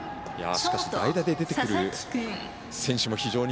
しかし代打で出てくる選手も非常に